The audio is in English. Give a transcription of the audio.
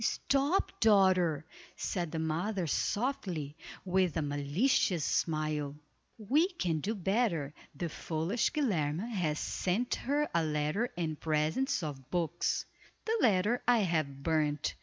"Stop, daughter," said the mother, softly, with a malicious smile, "we can do better. The foolish Guilerme has sent her a letter and presents of books. The letter I have burned.